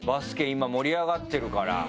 今盛り上がってるから。